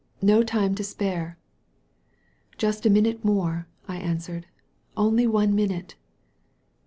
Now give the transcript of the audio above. "No time to spare !" "Just a minute more," I answered, "only one minute!"